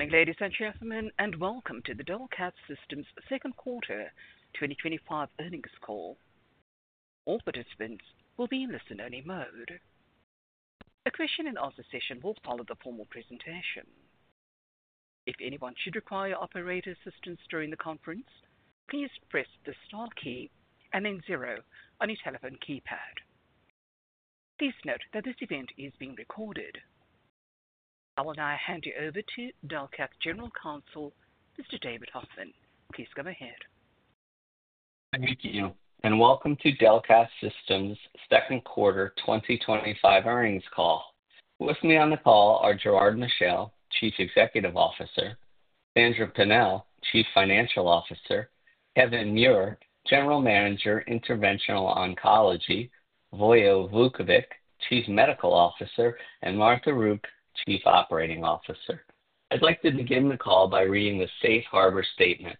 Morning, ladies and gentlemen, and welcome to the Delcath Systems' second quarter 2025 earnings call. All participants will be in listen-only mode. The question and answer session will follow the formal presentation. If anyone should require operator assistance during the conference, please press the star key and then zero on your telephone keypad. Please note that this event is being recorded. I will now hand you over to Delcath General Counsel, Mr. David Hoffman. Please go ahead. Thank you, and welcome to Delcath Systems' second quarter 2025 earnings call. With me on the call are Gerard Michel, Chief Executive Officer, Sandra Pennell, Chief Financial Officer, Kevin Muir, General Manager, Interventional Oncology, Vojislav Vukovic, Chief Medical Officer, and Martha Rourke, Chief Operating Officer. I'd like to begin the call by reading the Safe Harbor Statement.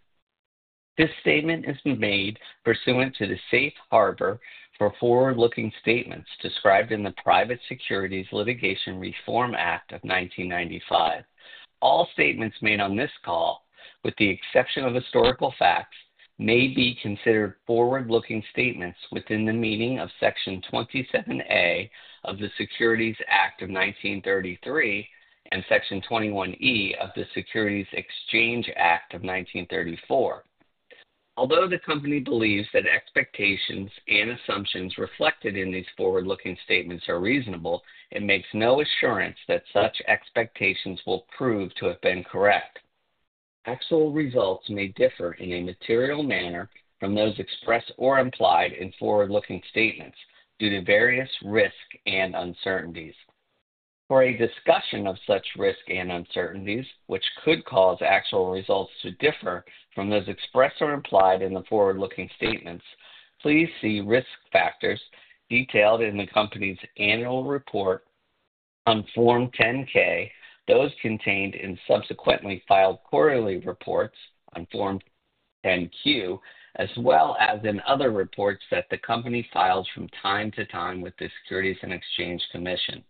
This statement is made pursuant to the Safe Harbor for forward-looking statements described in the Private Securities Litigation Reform Act of 1995. All statements made on this call, with the exception of historical facts, may be considered forward-looking statements within the meaning of Section 27(a) of the Securities Act of 1933 and Section 21(e) of the Securities Exchange Act of 1934. Although the company believes that expectations and assumptions reflected in these forward-looking statements are reasonable, it makes no assurance that such expectations will prove to have been correct. Actual results may differ in a material manner from those expressed or implied in forward-looking statements due to various risks and uncertainties. For a discussion of such risks and uncertainties, which could cause actual results to differ from those expressed or implied in the forward-looking statements, please see risk factors detailed in the company's annual report on Form 10-K, those contained in subsequently filed quarterly reports on Form 10-Q, as well as in other reports that the company files from time to time with the Securities and Exchange Commission.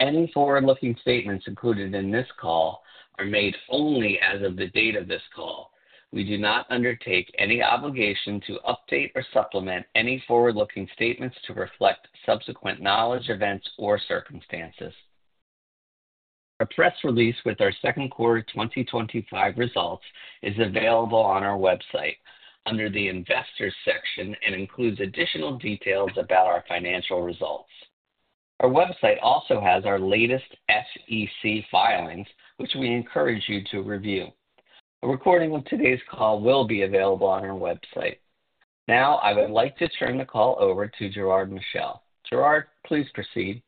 Any forward-looking statements included in this call are made only as of the date of this call. We do not undertake any obligation to update or supplement any forward-looking statements to reflect subsequent knowledge, events, or circumstances. Our press release with our second quarter 2025 results is available on our website under the Investors section and includes additional details about our financial results. Our website also has our latest SEC filings, which we encourage you to review. A recording of today's call will be available on our website. Now, I would like to turn the call over to Gerard Michel. Gerard, please proceed.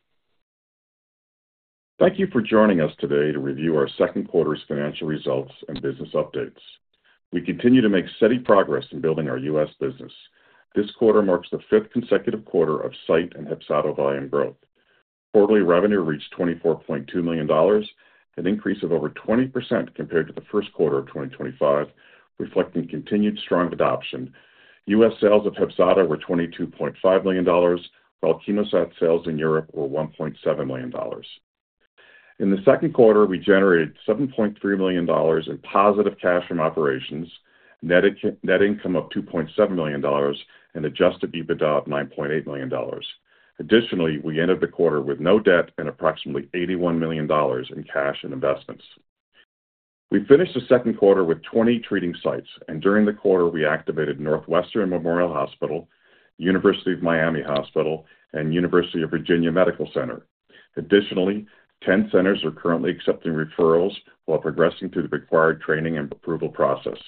Thank you for joining us today to review our second quarter's financial results and business updates. We continue to make steady progress in building our U.S. business. This quarter marks the fifth consecutive quarter of site and HEPZATO volume growth. Quarterly revenue reached $24.2 million, an increase of over 20% compared to the first quarter of 2025, reflecting continued strong adoption. U.S. sales of HEPZATO were $22.5 million, while CHEMOSAT sales in Europe were $1.7 million. In the second quarter, we generated $7.3 million in positive cash from operations, net income of $2.7 million, and adjusted EBITDA of $9.8 million. Additionally, we ended the quarter with no debt and approximately $81 million in cash and investments. We finished the second quarter with 20 trading sites, and during the quarter, we activated Northwestern Memorial Hospital, University of Miami Hospital, and University of Virginia Medical Center. Additionally, 10 centers are currently accepting referrals while progressing through the required training and approval process.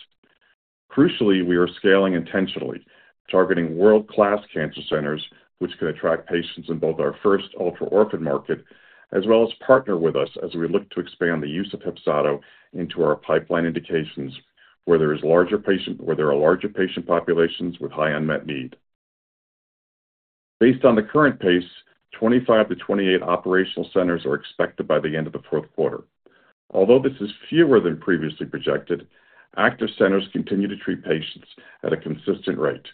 Crucially, we are scaling intentionally, targeting world-class cancer centers, which could attract patients in both our first ultra-orphan market, as well as partner with us as we look to expand the use of HEPZATO into our pipeline indications, where there are larger patient populations with high unmet need. Based on the current pace, 25-28 operational centers are expected by the end of the fourth quarter. Although this is fewer than previously projected, active centers continue to treat patients at a consistent rate.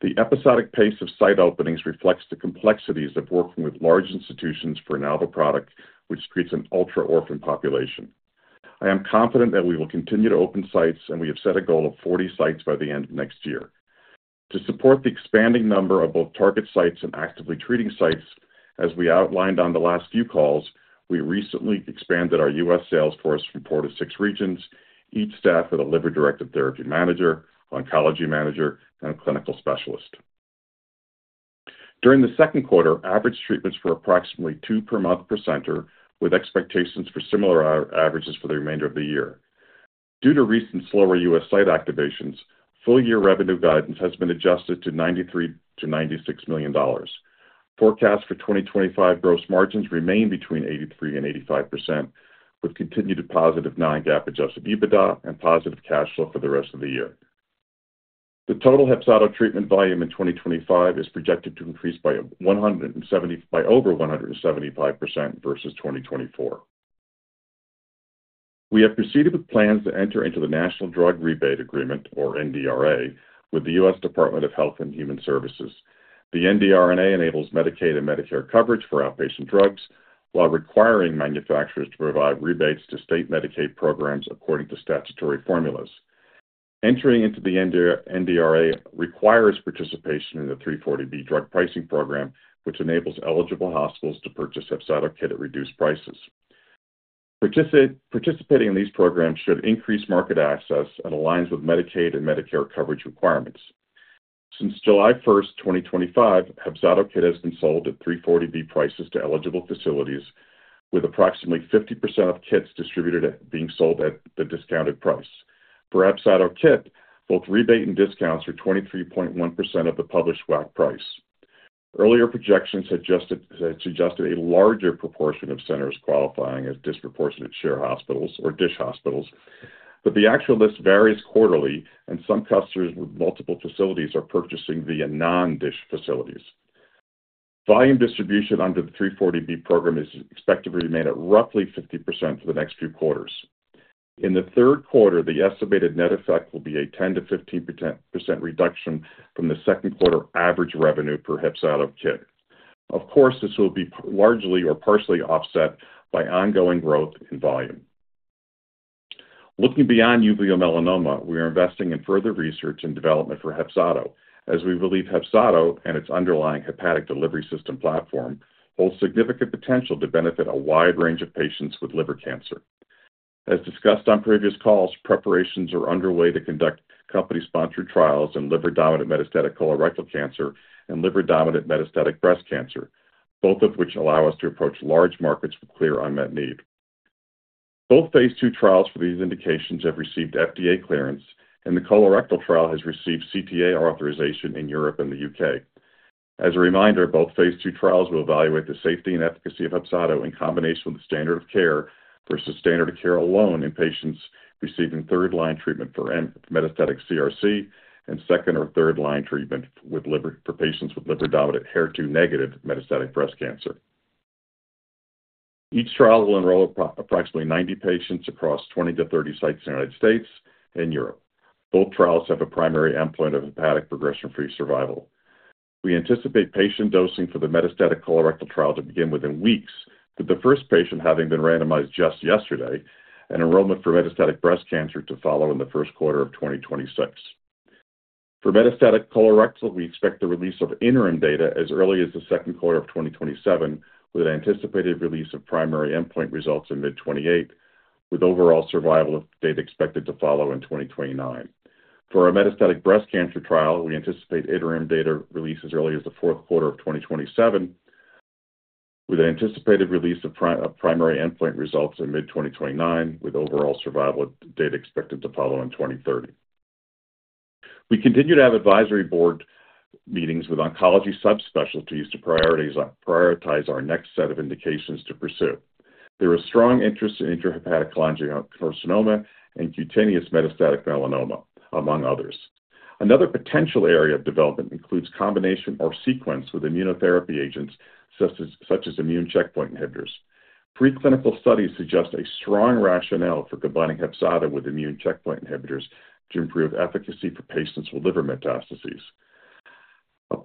The episodic pace of site openings reflects the complexities of working with large institutions for a novel product, which treats an ultra-orphan population. I am confident that we will continue to open sites, and we have set a goal of 40 sites by the end of next year. To support the expanding number of both target sites and actively treating sites, as we outlined on the last few calls, we recently expanded our U.S. sales force from four to six regions, each staffed with a Liver-Directed Therapy Manager, Oncology Manager, and a Clinical Specialist. During the second quarter, average treatments were approximately two per month per center, with expectations for similar averages for the remainder of the year. Due to recent slower U.S. site activations, full-year revenue guidance has been adjusted to $93 million-$96 million. Forecasts for 2025 gross margins remain between 83% and 85%, with continued positive non-GAAP-adjusted EBITDA and positive cash flow for the rest of the year. The total HEPZATO treatment volume in 2025 is projected to increase by over 175% versus 2024. We have proceeded with plans to enter into the National Drug Rebate Agreement, or NDRA, with the U.S. Department of Health and Human Services. The NDRA enables Medicaid and Medicare coverage for outpatient drugs, while requiring manufacturers to provide rebates to state Medicaid programs according to statutory formulas. Entering into the NDRA requires participation in the 340B Drug Pricing Program, which enables eligible hospitals to purchase HEPZATO KIT at reduced prices. Participating in these programs should increase market access and aligns with Medicaid and Medicare coverage requirements. Since July 1st, 2025, HEPZATO KIT has been sold at 340B prices to eligible facilities, with approximately 50% of kits distributed being sold at the discounted price. For HEPZATO KIT, both rebate and discounts are 23.1% of the published WAC price. Earlier projections had suggested a larger proportion of centers qualifying as disproportionate share hospitals or DSH hospitals, but the actual list varies quarterly, and some customers with multiple facilities are purchasing via non-DSH facilities. Volume distribution under the 340B program is expected to remain at roughly 50% for the next few quarters. In the third quarter, the estimated net effect will be a 10%-15% reduction from the second quarter average revenue per HEPZATO KIT. This will be largely or partially offset by ongoing growth in volume. Looking beyond uveal melanoma, we are investing in further research and development for HEPZATO, as we believe HEPZATO and its underlying hepatic delivery system platform hold significant potential to benefit a wide range of patients with liver cancer. As discussed on previous calls, preparations are underway to conduct company-sponsored trials in liver-dominant metastatic colorectal cancer and liver-dominant metastatic breast cancer, both of which allow us to approach large markets with clear unmet need. Both Phase II trials for these indications have received FDA clearance, and the colorectal trial has received CTA authorization in Europe and the U.K. As a reminder, both Phase II trials will evaluate the safety and efficacy of HEPZATO in combination with the standard of care versus standard of care alone in patients receiving third-line treatment for metastatic CRC and second or third-line treatment for patients with liver-dominant HER2-negative metastatic breast cancer. Each trial will enroll approximately 90 patients across 20-30 sites in the U.S. and Europe. Both trials have a primary endpoint of hepatic progression-free survival. We anticipate patient dosing for the metastatic colorectal trial to begin within weeks, with the first patient having been randomized just yesterday, and enrollment for metastatic breast cancer to follow in the first quarter of 2026. For metastatic colorectal, we expect the release of interim data as early as the second quarter of 2027, with an anticipated release of primary endpoint results in mid-2028, with overall survival data expected to follow in 2029. For our metastatic breast cancer trial, we anticipate interim data release as early as the fourth quarter of 2027, with an anticipated release of primary endpoint results in mid-2029, with overall survival data expected to follow in 2030. We continue to have advisory board meetings with oncology subspecialties to prioritize our next set of indications to pursue. There is strong interest in intrahepatic cholangiocarcinoma and cutaneous metastatic melanoma, among others. Another potential area of development includes combination or sequence with immunotherapy agents such as immune checkpoint inhibitors. Preclinical studies suggest a strong rationale for combining HEPZATO with immune checkpoint inhibitors to improve efficacy for patients with liver metastases.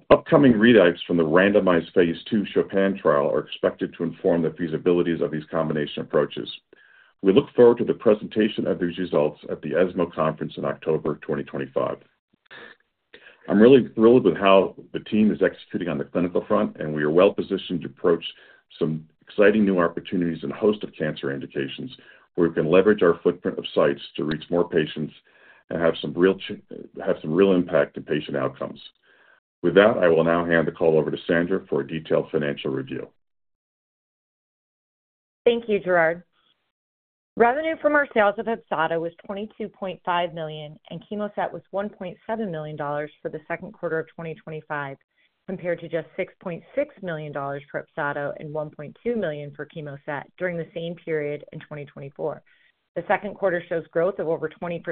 Upcoming readouts from the randomized Phase II CHOPIN trial are expected to inform the feasibilities of these combination approaches. We look forward to the presentation of these results at the ESMO conference in October 2025. I'm really thrilled with how the team is executing on the clinical front, and we are well positioned to approach some exciting new opportunities in a host of cancer indications where we can leverage our footprint of sites to reach more patients and have some real impact to patient outcomes. With that, I will now hand the call over to Sandra for a detailed financial review. Thank you, Gerard. Revenue from our sales of HEPZATO was $22.5 million, and CHEMOSAT was $1.7 million for the second quarter of 2025, compared to just $6.6 million for HEPZATO and $1.2 million for CHEMOSAT during the same period in 2024. The second quarter shows growth of over 20%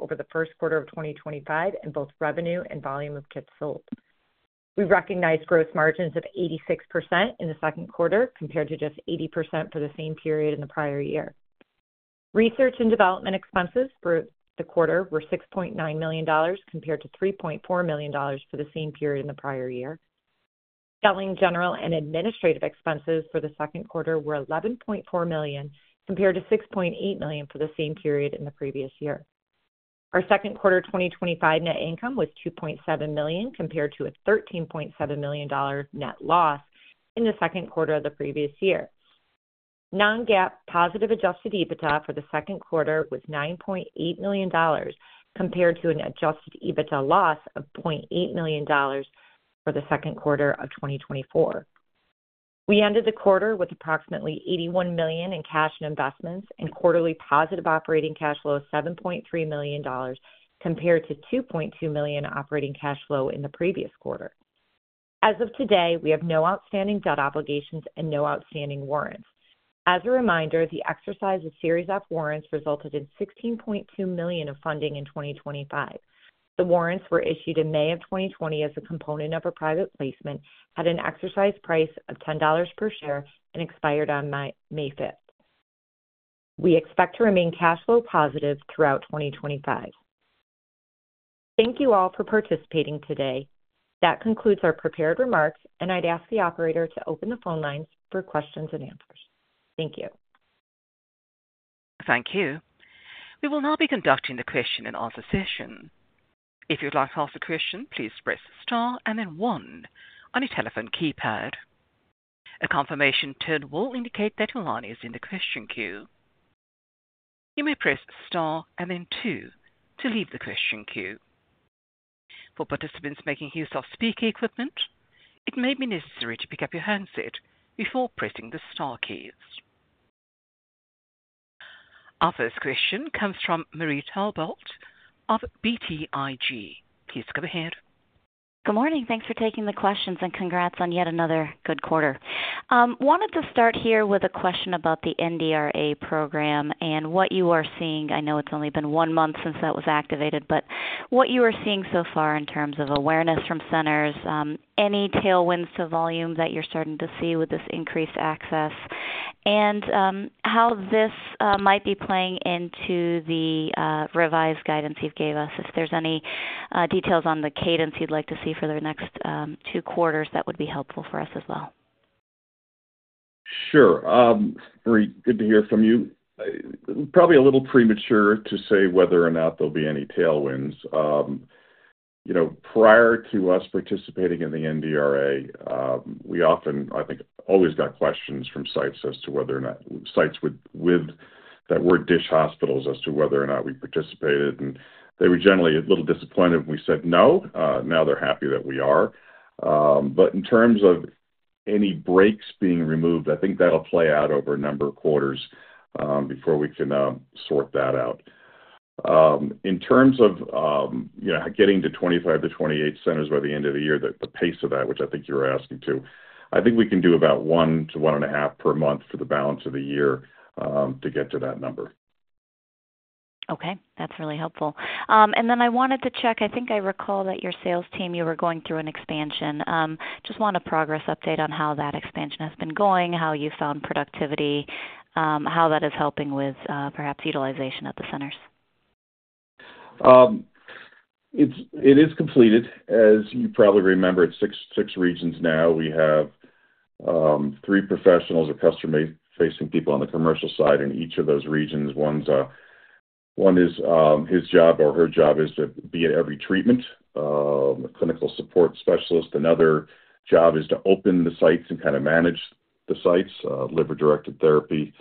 over the first quarter of 2025 in both revenue and volume of kits sold. We recognize gross margins of 86% in the second quarter, compared to just 80% for the same period in the prior year. Research and development expenses for the quarter were $6.9 million, compared to $3.4 million for the same period in the prior year. Selling, general, and administrative expenses for the second quarter were $11.4 million, compared to $6.8 million for the same period in the previous year. Our second quarter 2025 net income was $2.7 million, compared to a $13.7 million net loss in the second quarter of the previous year. Non-GAAP positive adjusted EBITDA for the second quarter was $9.8 million, compared to an adjusted EBITDA loss of $0.8 million for the second quarter of 2024. We ended the quarter with approximately $81 million in cash and investments, and quarterly positive operating cash flow of $7.3 million, compared to $2.2 million operating cash flow in the previous quarter. As of today, we have no outstanding debt obligations and no outstanding warrants. As a reminder, the exercise of Series F warrants resulted in $16.2 million of funding in 2025. The warrants were issued in May of 2020 as a component of a private placement, had an exercise price of $10 per share, and expired on May 5th. We expect to remain cash flow positive throughout 2025. Thank you all for participating today. That concludes our prepared remarks, and I'd ask the operator to open the phone lines for questions and answers. Thank you. Thank you. We will now be conducting the question and answer session. If you'd like to ask a question, please press star and then one on your telephone keypad. A confirmation tone will indicate that your line is in the question queue. You may press star and then two to leave the question queue. For participants making use of speaker equipment, it may be necessary to pick up your handset before pressing the star keys. Our first question comes from Marie Thibault of BTIG. Please go ahead. Good morning. Thanks for taking the questions and congrats on yet another good quarter. Wanted to start here with a question about the NDRA program and what you are seeing. I know it's only been one month since that was activated, but what you are seeing so far in terms of awareness from centers, any tailwinds to volume that you're starting to see with this increased access, and how this might be playing into the revised guidance you gave us. If there's any details on the cadence you'd like to see for the next two quarters, that would be helpful for us as well. Sure. Marie, good to hear from you. Probably a little premature to say whether or not there'll be any tailwinds. Prior to us participating in the NDRA, we often, I think, always got questions from sites as to whether or not sites that were DSH hospitals as to whether or not we participated, and they were generally a little disappointed when we said no. Now they're happy that we are. In terms of any breaks being removed, I think that'll play out over a number of quarters before we can sort that out. In terms of getting to 25-28 centers by the end of the year, the pace of that, which I think you were asking to, I think we can do about one to one and a half per month for the balance of the year to get to that number. Okay. That's really helpful. I wanted to check, I think I recall that your sales team, you were going through an expansion. Just want a progress update on how that expansion has been going, how you found productivity, how that is helping with perhaps utilization at the centers. It is completed. As you probably remember, it's six regions now. We have three professionals or customer-facing people on the commercial side in each of those regions. One, his job or her job is to be at every treatment, a Clinical Support Specialist. Another job is to open the sites and kind of manage the sites, Liver-Directed Therapy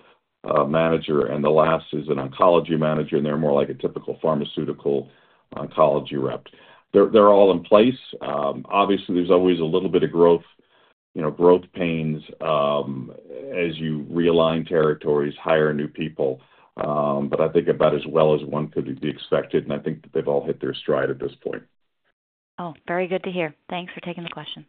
Manager. The last is an Oncology Manager, and they're more like a typical pharmaceutical oncology rep. They're all in place. Obviously, there's always a little bit of growth pains as you realign territories, hire new people. I think about as well as one could be expected, and I think that they've all hit their stride at this point. Oh, very good to hear. Thanks for taking the questions.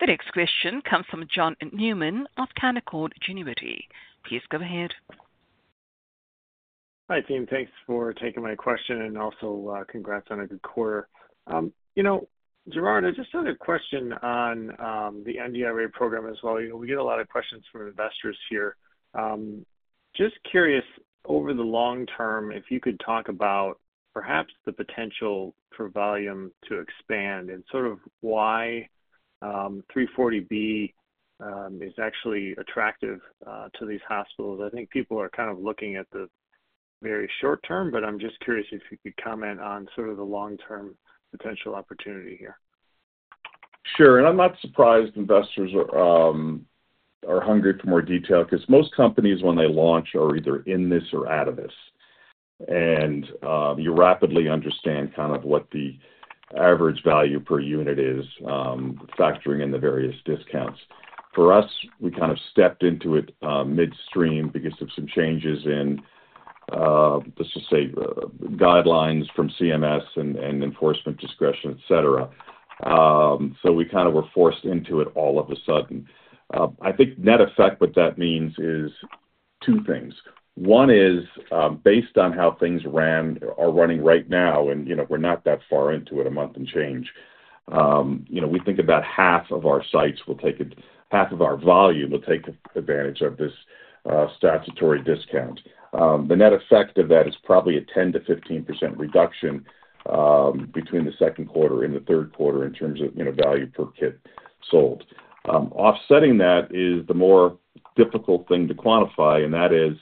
The next question comes from John Newman of Canaccord Genuity. Please go ahead. Hi, team. Thanks for taking my question and also congrats on a good quarter. Gerard, I just had a question on the NDRA program as well. We get a lot of questions from investors here. Just curious, over the long term, if you could talk about perhaps the potential for volume to expand and sort of why 340B is actually attractive to these hospitals. I think people are kind of looking at the very short term, but I'm just curious if you could comment on sort of the long-term potential opportunity here. Sure. I'm not surprised investors are hungry for more detail because most companies, when they launch, are either in this or out of this. You rapidly understand kind of what the average value per unit is, factoring in the various discounts. For us, we kind of stepped into it midstream because of some changes in, let's just say, guidelines from CMS and enforcement discretion, etc. We kind of were forced into it all of a sudden. I think net effect, what that means is two things. One is based on how things are running right now, and you know we're not that far into it, a month and change. We think about half of our sites will take it, half of our volume will take advantage of this statutory discount. The net effect of that is probably a 10%-15% reduction between the second quarter and the third quarter in terms of, you know, value per kit sold. Offsetting that is the more difficult thing to quantify, and that is,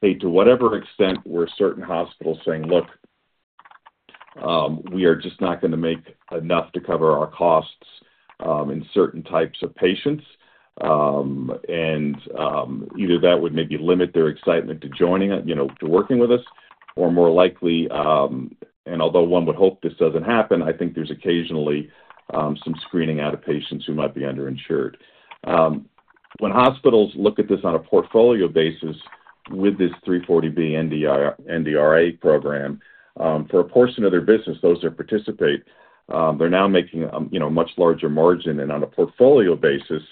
hey, to whatever extent were certain hospitals saying, "Look, we are just not going to make enough to cover our costs in certain types of patients," and either that would maybe limit their excitement to joining it, you know, to working with us, or more likely, and although one would hope this doesn't happen, I think there's occasionally some screening out of patients who might be underinsured. When hospitals look at this on a portfolio basis with this 340B NDRA program, for a portion of their business, those that participate, they're now making a much larger margin, and on a portfolio basis,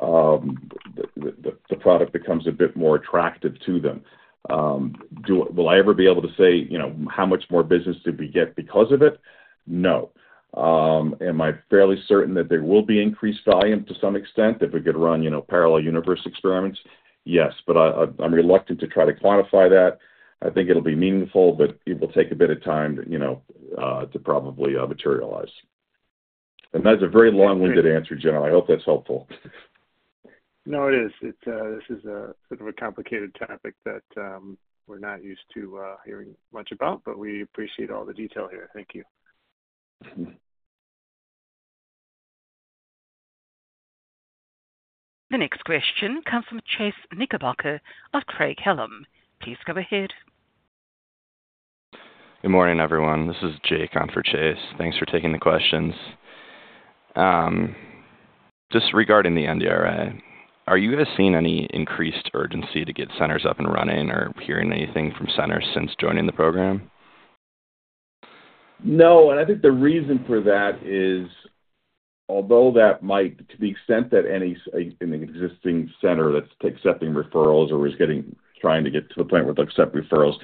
the product becomes a bit more attractive to them. Will I ever be able to say, you know, how much more business did we get because of it? No. Am I fairly certain that there will be increased volume to some extent if we could run, you know, parallel universe experiments? Yes, but I'm reluctant to try to quantify that. I think it'll be meaningful, but it will take a bit of time, you know, to probably materialize. That's a very long-winded answer, General. I hope that's helpful. No, it is. This is a bit of a complicated topic that we're not used to hearing much about, but we appreciate all the detail here. Thank you. The next question comes from Chase Knickerbocker of Craig-Hallum. Please go ahead. Good morning, everyone. This is Jake on for Chase. Thanks for taking the questions. Just regarding the NDRA, are you guys seeing any increased urgency to get centers up and running or hearing anything from centers since joining the program? No. I think the reason for that is, although that might, to the extent that any in an existing center that's accepting referrals or is trying to get to the point where they'll accept referrals,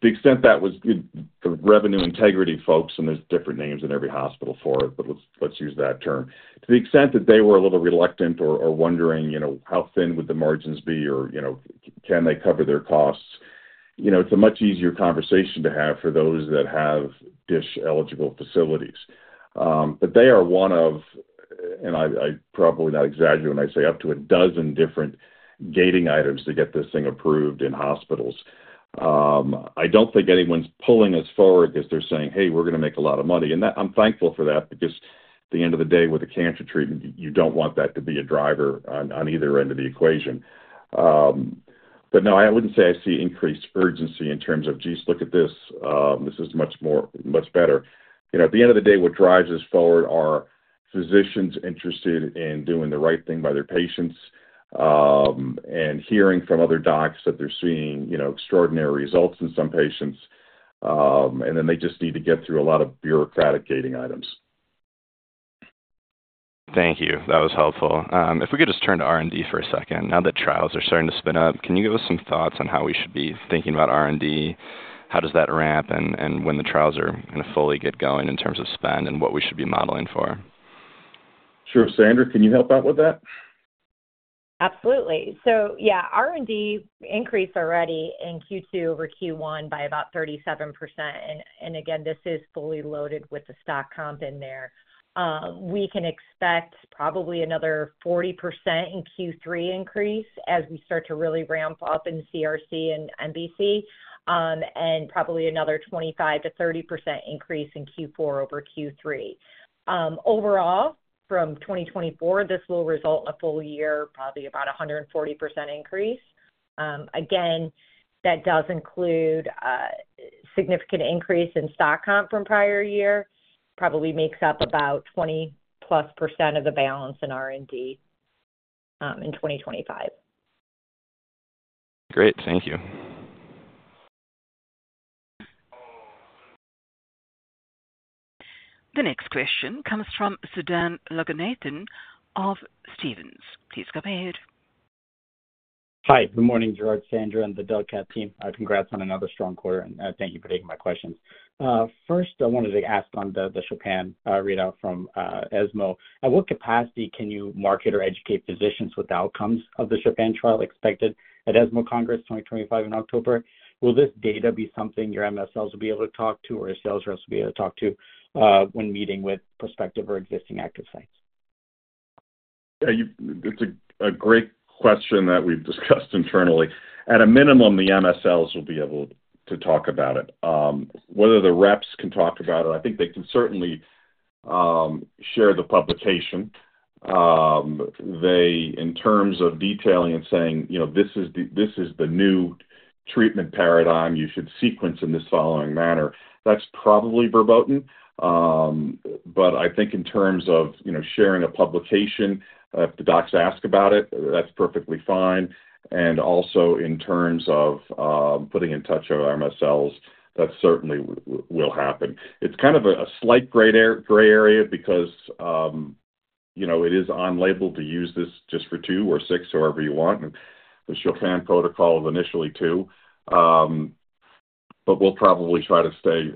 to the extent that was good for revenue integrity folks, and there's different names in every hospital for it, but let's use that term, to the extent that they were a little reluctant or wondering, you know, how thin would the margins be or, you know, can they cover their costs? It's a much easier conversation to have for those that have DSH-eligible facilities. They are one of, and I probably not exaggerate when I say up to a dozen different gating items to get this thing approved in hospitals. I don't think anyone's pulling us forward because they're saying, "Hey, we're going to make a lot of money." I'm thankful for that because at the end of the day, with a cancer treatment, you don't want that to be a driver on either end of the equation. No, I wouldn't say I see increased urgency in terms of, "Geez, look at this. This is much more, much better." At the end of the day, what drives us forward are physicians interested in doing the right thing by their patients and hearing from other docs that they're seeing, you know, extraordinary results in some patients, and then they just need to get through a lot of bureaucratic gating items. Thank you. That was helpful. If we could just turn to R&D for a second. Now that trials are starting to spin up, can you give us some thoughts on how we should be thinking about R&D? How does that ramp and when the trials are going to fully get going in terms of spend and what we should be modeling for? Sure. Sandra, can you help out with that? Absolutely. R&D increased already in Q2 over Q1 by about 37%. This is fully loaded with the stock comp in there. We can expect probably another 40% in Q3 increase as we start to really ramp up in CRC and MBC, and probably another 25%-30% increase in Q4 over Q3. Overall, from 2024, this will result in a full year, probably about a 140% increase. This does include a significant increase in stock comp from prior year. Probably makes up about 20% plus of the balance in R&D in 2025. Great. Thank you. The next question comes from Sudhan Loganathan of Stephens. Please go ahead. Hi. Good morning, Gerard, Sandra, and the Delcath team. Congrats on another strong quarter, and thank you for taking my questions. First, I wanted to ask on the CHOPIN readout from ESMO. At what capacity can you market or educate physicians with the outcomes of the CHOPIN trial expected at ESMO Congress 2025 in October? Will this data be something your MSLs will be able to talk to or your sales reps will be able to talk to when meeting with prospective or existing active sites? Yeah, that's a great question that we've discussed internally. At a minimum, the MSLs will be able to talk about it. Whether the reps can talk about it, I think they can certainly share the publication. In terms of detailing and saying, "You know, this is the new treatment paradigm. You should sequence in this following manner," that's probably verboten. I think in terms of sharing a publication, if the docs ask about it, that's perfectly fine. Also, in terms of putting in touch with our MSLs, that certainly will happen. It's kind of a slight gray area because it is on-label to use this just for two or six, however you want, and the CHOPIN protocol of initially two. We'll probably try to stay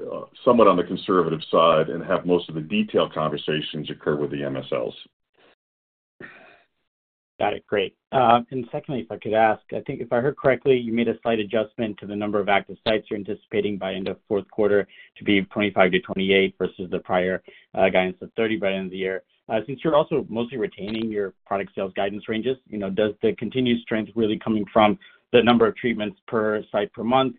somewhat on the conservative side and have most of the detailed conversations occur with the MSLs. Got it. Great. Secondly, if I could ask, I think if I heard correctly, you made a slight adjustment to the number of active sites you're anticipating by the end of the fourth quarter to be 25-28 versus the prior guidance of 30 by the end of the year. Since you're also mostly retaining your product sales guidance ranges, does the continued strength really come from the number of treatments per site per month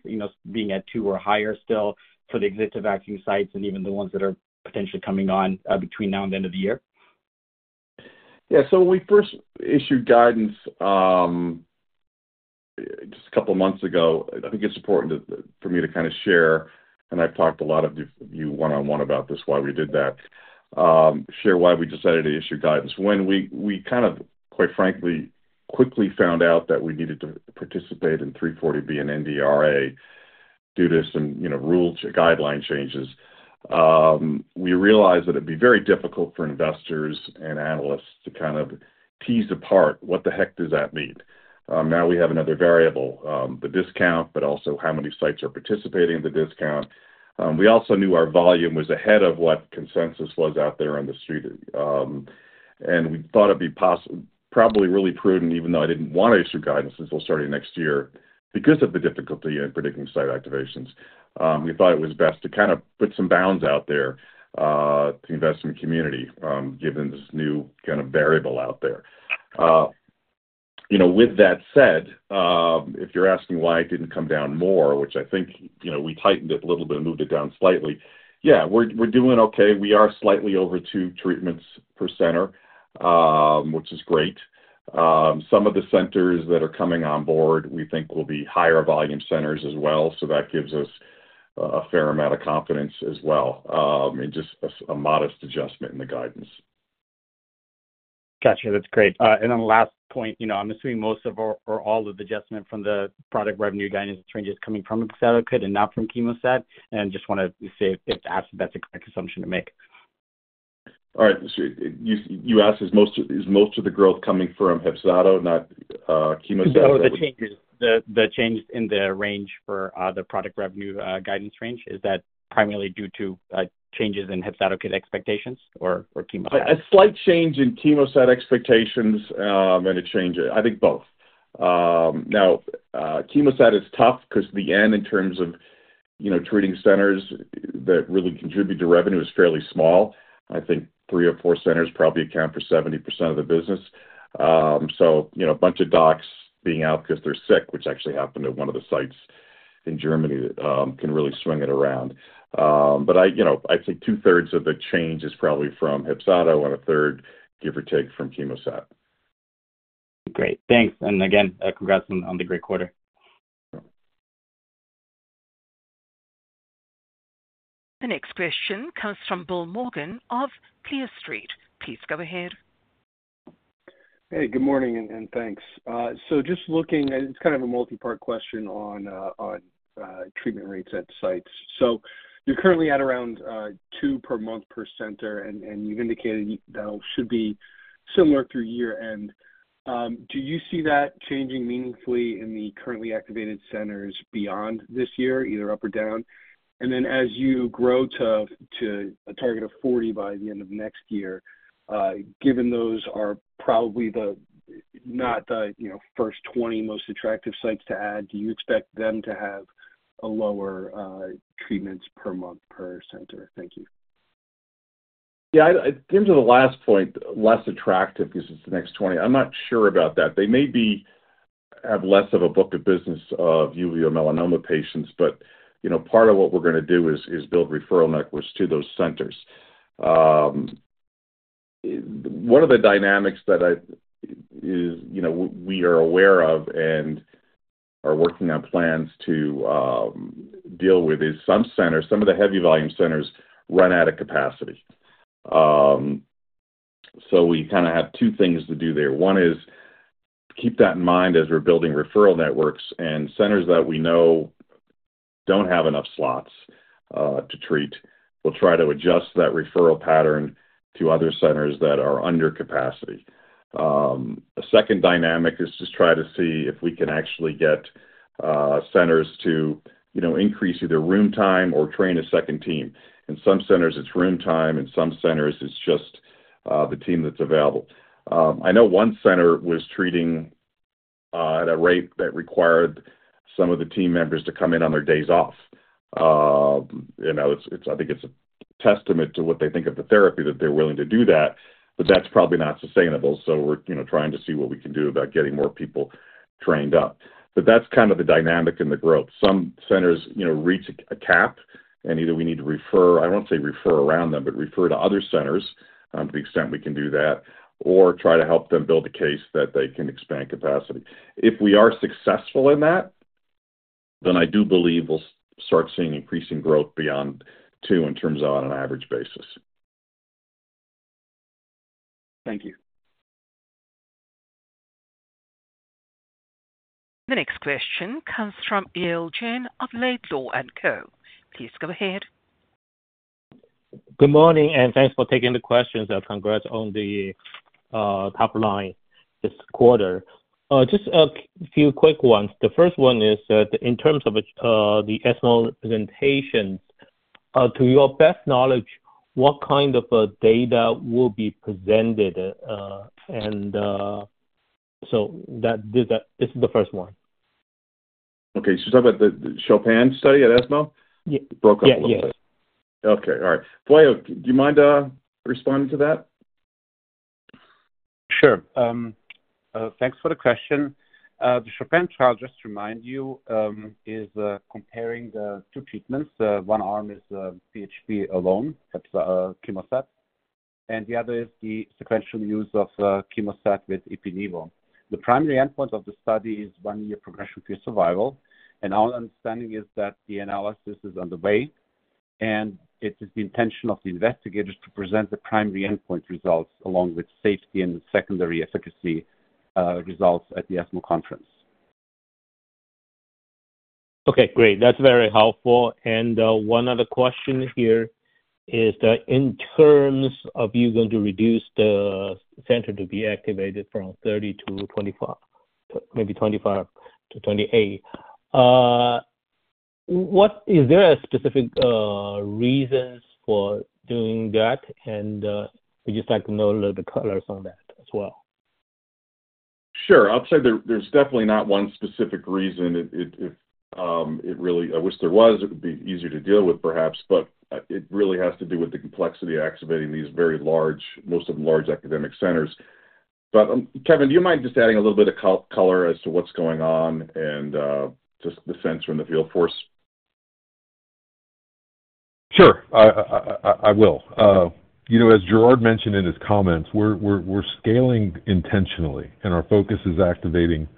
being at two or higher still for the existing vacuum sites and even the ones that are potentially coming on between now and the end of the year? Yeah. When we first issued guidance just a couple of months ago, I think it's important for me to kind of share, and I've talked to a lot of you one-on-one about this, why we did that, share why we decided to issue guidance. When we, quite frankly, quickly found out that we needed to participate in the 340B and NDRA due to some rule guideline changes, we realized that it'd be very difficult for investors and analysts to kind of tease apart what the heck does that mean. Now we have another variable, the discount, but also how many sites are participating in the discount. We also knew our volume was ahead of what consensus was out there on the street. We thought it'd be possible, probably really prudent, even though I didn't want to issue guidance until starting next year because of the difficulty in predicting site activations. We thought it was best to kind of put some bounds out there to invest in the community, given this new kind of variable out there. With that said, if you're asking why it didn't come down more, which I think, we tightened it a little bit and moved it down slightly, yeah, we're doing okay. We are slightly over two treatments per center, which is great. Some of the centers that are coming on board, we think, will be higher volume centers as well. That gives us a fair amount of confidence as well in just a modest adjustment in the guidance. Gotcha. That's great. On the last point, I'm assuming most or all of the adjustment from the product revenue guidance changes is coming from HEPZATO and not from CHEMOSAT, and just wanted to see if that's the correct assumption to make. All right. Let's see. You asked, is most of the growth coming from HEPZATO, not CHEMOSAT? HEPZATO changes the changes in the range for the product revenue guidance range. Is that primarily due to changes in HEPZATO KIT expectations or CHEMOSAT? A slight change in CHEMOSAT expectations and a change, I think both. Now, CHEMOSAT is tough because the N in terms of, you know, treating centers that really contribute to revenue is fairly small. I think three or four centers probably account for 70% of the business. A bunch of docs being out because they're sick, which actually happened at one of the sites in Germany, can really swing it around. I think two-thirds of the change is probably from HEPZATO and a third, give or take, from CHEMOSAT. Great. Thanks. Again, congrats on the great quarter. The next question comes from Bill Maughan of Clear Street. Please go ahead. Good morning and thanks. Just looking, it's kind of a multi-part question on treatment rates at sites. You're currently at around two per month per center, and you've indicated that'll be similar through year-end. Do you see that changing meaningfully in the currently activated centers beyond this year, either up or down? As you grow to a target of 40 by the end of next year, given those are probably not the first 20 most attractive sites to add, do you expect them to have a lower treatment per month per center? Thank you. Yeah. In terms of the last point, less attractive because it's the next 20, I'm not sure about that. They may have less of a book of business of uveal melanoma patients, but you know, part of what we're going to do is build referral networks to those centers. One of the dynamics that we are aware of and are working on plans to deal with is some centers, some of the heavy volume centers run out of capacity. We kind of have two things to do there. One is keep that in mind as we're building referral networks, and centers that we know don't have enough slots to treat, we'll try to adjust that referral pattern to other centers that are under capacity. A second dynamic is to try to see if we can actually get centers to increase either room time or train a second team. In some centers, it's room time. In some centers, it's just the team that's available. I know one center was treating at a rate that required some of the team members to come in on their days off. I think it's a testament to what they think of the therapy that they're willing to do that, but that's probably not sustainable. We're trying to see what we can do about getting more people trained up. That's kind of the dynamic in the growth. Some centers reach a cap, and either we need to refer, I won't say refer around them, but refer to other centers to the extent we can do that, or try to help them build a case that they can expand capacity. If we are successful in that, then I do believe we'll start seeing increasing growth beyond two in terms of on an average basis. Thank you. The next question comes from Yale Jen of Laidlaw and Company. Please go ahead. Good morning, and thanks for taking the questions. Congrats on the top line this quarter. Just a few quick ones. The first one is in terms of the ESMO presentation, to your best knowledge, what kind of data will be presented? That is the first one. Okay. You're talking about the CHOPIN trial at ESMO? Yeah. Broken up. Yes, yes. Okay. All right. Vojislav, do you mind responding to that? Sure. Thanks for the question. The CHOPIN trial, just to remind you, is comparing the two treatments. One arm is the PHP alone, HEPZATO CHEMOSAT, and the other is the sequential use of CHEMOSAT with Ipilimumab. The primary endpoint of the study is one-year progression-free survival. Our understanding is that the analysis is underway, and it is the intention of the investigators to present the primary endpoint results along with safety and secondary efficacy results at the ESMO conference. Okay. Great. That's very helpful. One other question here is that in terms of you going to reduce the center to be activated from 30-25, maybe 25-28, is there a specific reason for doing that? We just like to know a little bit of colors on that as well. Sure. I'll say there's definitely not one specific reason. If it really, I wish there was. It would be easier to deal with, perhaps, but it really has to do with the complexity of activating these very large, most of them large academic centers. Kevin, do you mind just adding a little bit of color as to what's going on and just the center and the field force? Sure. I will. As Gerard mentioned in his comments, we're scaling intentionally, and our focus is activating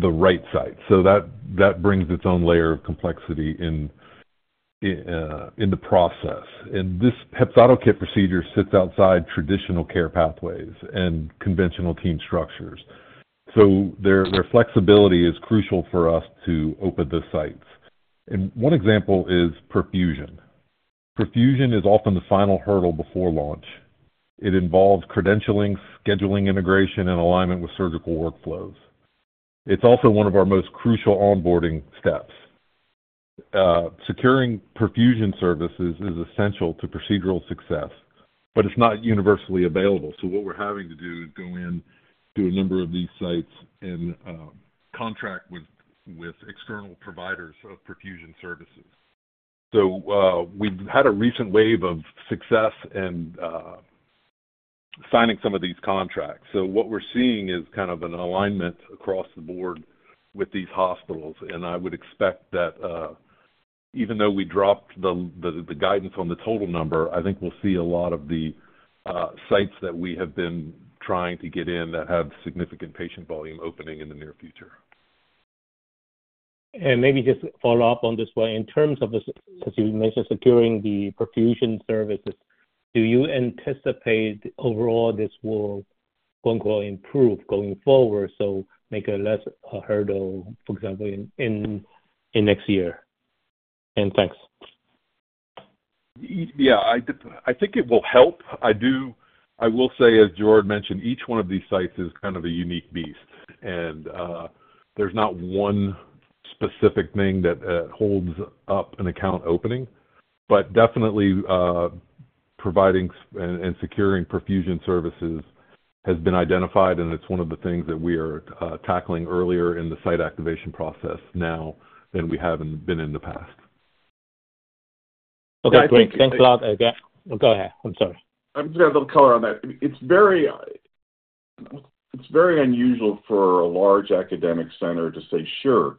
the right site. That brings its own layer of complexity in the process. This HEPZATO KIT procedure sits outside traditional care pathways and conventional team structures. Their flexibility is crucial for us to open the sites. One example is perfusion. Perfusion is often the final hurdle before launch. It involves credentialing, scheduling integration, and alignment with surgical workflows. It's also one of our most crucial onboarding steps. Securing perfusion services is essential to procedural success, but it's not universally available. What we're having to do is go in to a number of these sites and contract with external providers of perfusion services. We've had a recent wave of success in signing some of these contracts. What we're seeing is kind of an alignment across the board with these hospitals. I would expect that even though we dropped the guidance on the total number, I think we'll see a lot of the sites that we have been trying to get in that have significant patient volume opening in the near future. Maybe just follow up on this way. In terms of this, because you mentioned securing the perfusion services, do you anticipate overall this will improve going forward? Make it less of a hurdle, for example, in the next year? Thanks. Yeah. I think it will help. I do, I will say, as Gerard mentioned, each one of these sites is kind of a unique beast. There's not one specific thing that holds up an account opening. Definitely, providing and securing perfusion services has been identified, and it's one of the things that we are tackling earlier in the site activation process now than we have been in the past. Okay, thanks. Thanks a lot. Go ahead. I'm sorry. I'm just going to have a little color on that. It's very unusual for a large academic center to say, "Sure.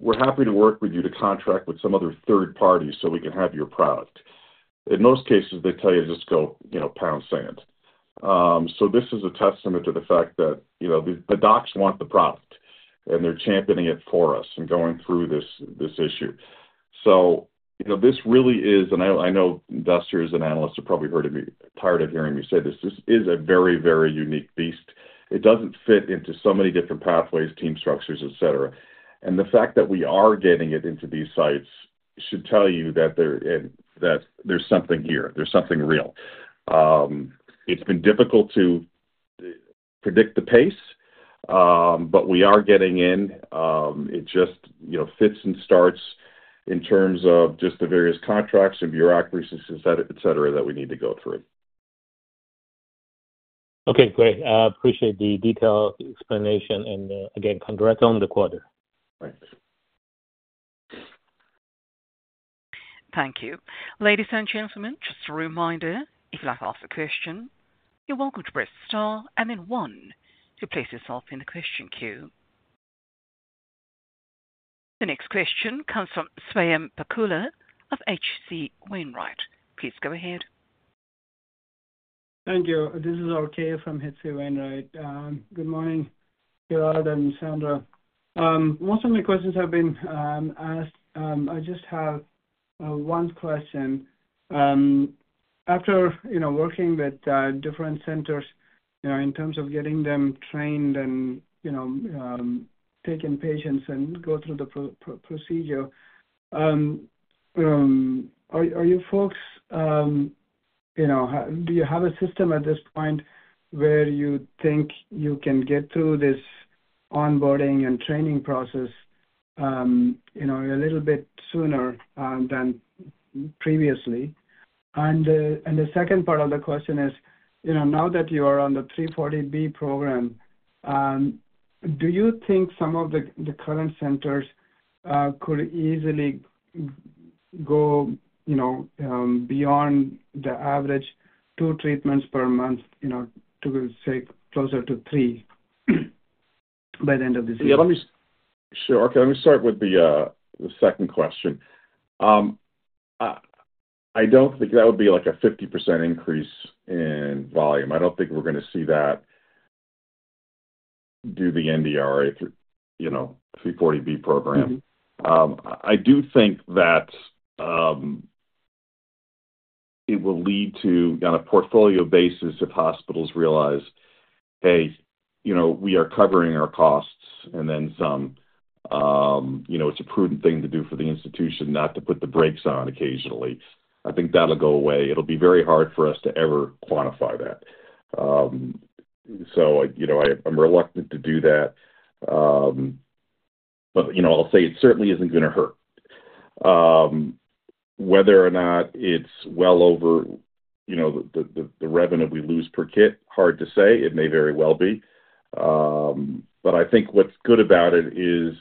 We're happy to work with you to contract with some other third party so we can have your product." In most cases, they tell you to just go, you know, pound sand. This is a testament to the fact that, you know, the docs want the product, and they're championing it for us and going through this issue. This really is, and I know investors and analysts have probably heard me, tired of hearing me say this, this is a very, very unique beast. It doesn't fit into so many different pathways, team structures, etc. The fact that we are getting it into these sites should tell you that there's something here. There's something real. It's been difficult to predict the pace, but we are getting in. It just, you know, fits and starts in terms of just the various contracts and bureaucracies, etc., that we need to go through. Okay. Great. I appreciate the detailed explanation. Again, congrats on the quarter. Thank you. Ladies and gentlemen, just a reminder, if you'd like to ask a question, you're welcome to press star and then one to place yourself in the question queue. The next question comes from Swayampakula of H.C. Wainwright. Please go ahead. Thank you. This is RK from H.C. Wainwright. Good morning, Gerard and Sandra. Most of my questions have been asked. I just have one question. After working with different centers in terms of getting them trained and taking patients and going through the procedure, are you folks, do you have a system at this point where you think you can get through this onboarding and training process a little bit sooner than previously? The second part of the question is, now that you are on the 340B Program, do you think some of the current centers could easily go beyond the average two treatments per month, to say closer to three by the end of this year? Yeah, let me start with the second question. I don't think that would be like a 50% increase in volume. I don't think we're going to see that through the NDRA, through, you know, the 340B Program. I do think that it will lead to, on a portfolio basis, if hospitals realize, "Hey, you know, we are covering our costs," and then some, you know, it's a prudent thing to do for the institution not to put the brakes on occasionally. I think that'll go away. It'll be very hard for us to ever quantify that. I'm reluctant to do that. I'll say it certainly isn't going to hurt. Whether or not it's well over, you know, the revenue we lose per kit, hard to say. It may very well be. I think what's good about it is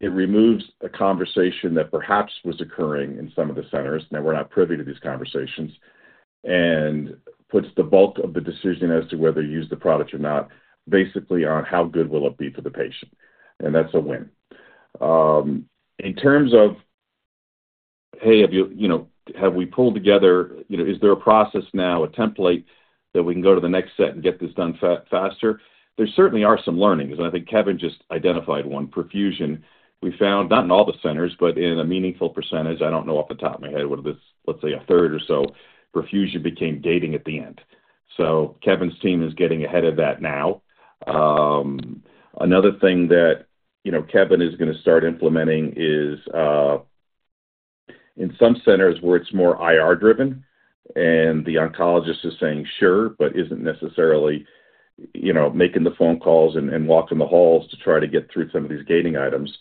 it removes a conversation that perhaps was occurring in some of the centers. We're not privy to these conversations and it puts the bulk of the decision as to whether to use the product or not basically on how good will it be for the patient. That's a win. In terms of, "Hey, have you, you know, have we pulled together, you know, is there a process now, a template that we can go to the next set and get this done faster?" There certainly are some learnings, and I think Kevin just identified one. Perfusion, we found not in all the centers, but in a meaningful percentage. I don't know off the top of my head whether this, let's say, a third or so, perfusion became gating at the end. Kevin's team is getting ahead of that now. Another thing that Kevin is going to start implementing is in some centers where it's more IR-driven and the oncologist is saying, "Sure," but isn't necessarily, you know, making the phone calls and walking the halls to try to get through some of these gating items.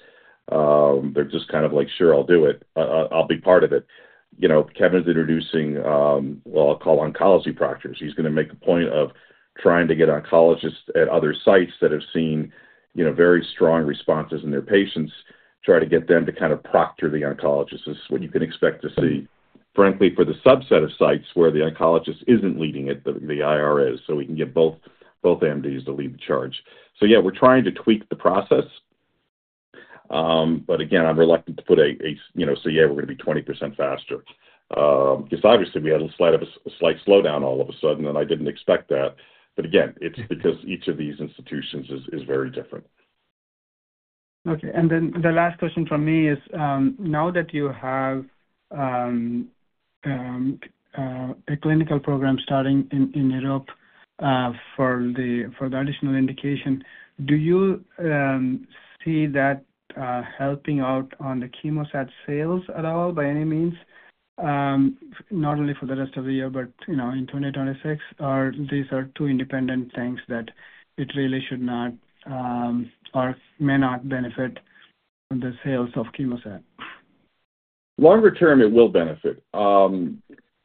They're just kind of like, "Sure, I'll do it. I'll be part of it." Kevin is introducing, what I'll call oncology practice. He's going to make a point of trying to get oncologists at other sites that have seen, you know, very strong responses in their patients, try to get them to kind of proctor the oncologist as to what you can expect to see. Frankly, for the subset of sites where the oncologist isn't leading it, the IR is, so we can get both MDs to lead the charge. We're trying to tweak the process. I'm reluctant to say, "Yeah, we're going to be 20% faster." It's obvious to be a little slight slowdown all of a sudden, and I didn't expect that. It's because each of these institutions is very different. Okay. The last question for me is, now that you have a clinical program starting in Europe for the additional indication, do you see that helping out on the CHEMOSAT sales at all by any means, not only for the rest of the year, but in 2026? Are these two independent things that really should not or may not benefit the sales of CHEMOSAT? Longer term, it will benefit.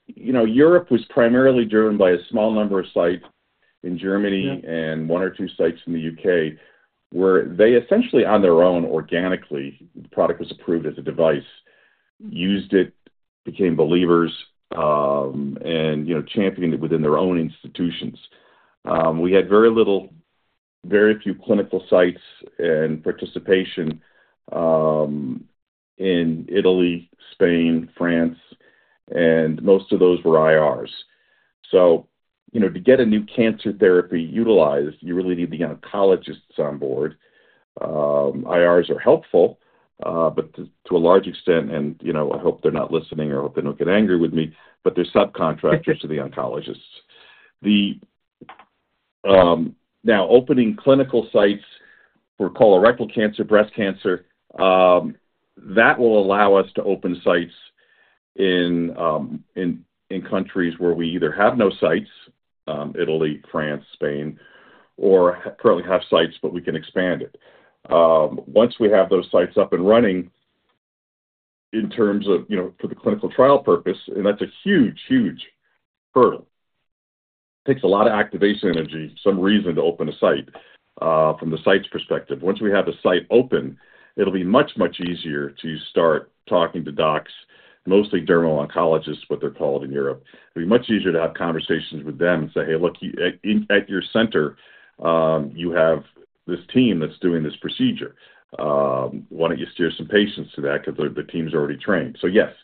Europe was primarily driven by a small number of sites in Germany and one or two sites in the U.K. where they essentially, on their own, organically, the product was approved as a device, used it, became believers, and championed it within their own institutions. We had very little, very few clinical sites and participation in Italy, Spain, France, and most of those were IRs. To get a new cancer therapy utilized, you really need the oncologists on board. IRs are helpful, but to a large extent, and I hope they're not listening or hope they don't get angry with me, but they're subcontractors to the oncologists. Now, opening clinical sites for colorectal cancer, breast cancer, that will allow us to open sites in countries where we either have no sites, Italy, France, Spain, or currently have sites, but we can expand it. Once we have those sites up and running in terms of, for the clinical trial purpose, and that's a huge, huge hurdle. It takes a lot of activation energy, some reason to open a site from the site's perspective. Once we have a site open, it'll be much, much easier to start talking to docs, mostly dermal oncologists, what they're called in Europe. It'll be much easier to have conversations with them and say, "Hey, look, at your center, you have this team that's doing this procedure. Why don't you steer some patients to that because the team's already trained?" Yes.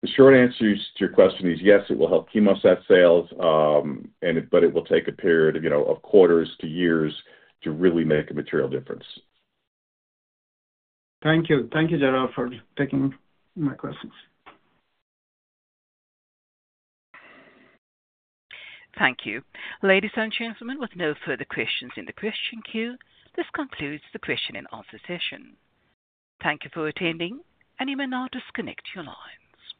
The short answer to your question is yes, it will help CHEMOSAT sales, but it will take a period, of quarters to years to really make a material difference. Thank you. Thank you, Gerard, for taking my questions. Thank you. Ladies and gentlemen, with no further questions in the question queue, this concludes the question and answer session. Thank you for attending, and you may now disconnect your lines.